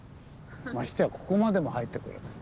ましてやここまでも入ってこれない。